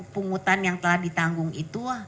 pungutan yang telah ditanggung itu